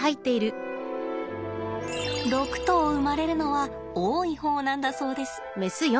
６頭生まれるのは多い方なんだそうです。